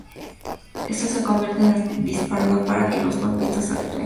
Esto se convierte en el disparador para que los golpistas actúen.